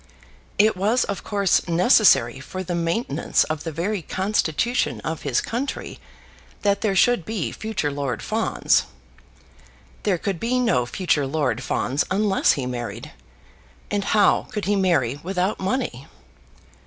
It was of course necessary for the maintenance of the very constitution of his country that there should be future Lord Fawns. There could be no future Lord Fawns unless he married; and how could he marry without money?